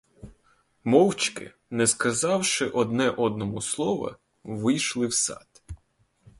Мовчки, не сказавши одне одному слова, вийшли в сад.